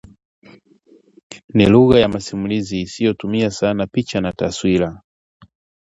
Ni lugha ya masimulizi isiyotumia sana picha na taswira